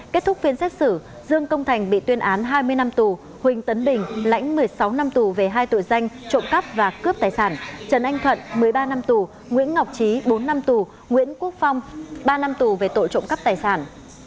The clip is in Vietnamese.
kết thúc phiên xét xử dương công thành bị tuyên án hai mươi năm tù huỳnh tấn bình lãnh một mươi sáu năm tù về hai tội danh trộm cắp và cướp tài sản trần anh thuận một mươi ba năm tù nguyễn ngọc trí bốn năm tù nguyễn quốc phong ba năm tù về tội trộm cắp tài sản